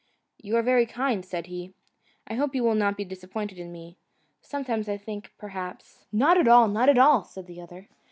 "You are very kind," said he, "I hope you will not be disappointed in me. Sometimes I think, perhaps " "Not at all, not at all," said the other.